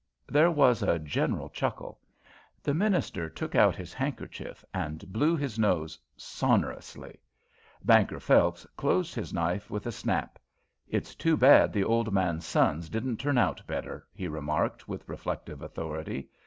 There was a general chuckle. The minister took out his handkerchief and blew his nose sonorously. Banker Phelps closed his knife with a snap. "It's too bad the old man's sons didn't turn out better," he remarked with reflective authority.